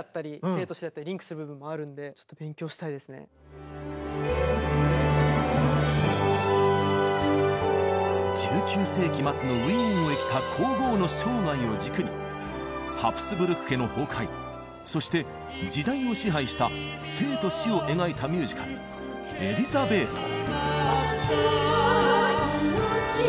マーラーだけでなく１９世紀末のウィーンを生きた皇后の生涯を軸にハプスブルク家の崩壊そして時代を支配した「生と死」を描いたミュージカル「エリザベート」。